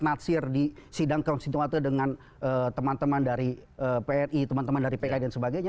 natsir di sidang konsinuarte dengan teman teman dari pni teman teman dari pki dan sebagainya